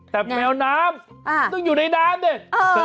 ก็กลัวกันแต่แมวน้ำอ่าต้องอยู่ในด้านเนี่ยเออ